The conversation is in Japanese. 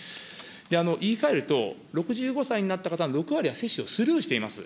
言いかえると、６５歳になった方の６割は接種をスルーしています。